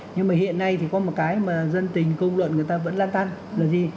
nhưng mà hiện nay thì có một cái mà dân tình công luận người ta vẫn lan tăng là gì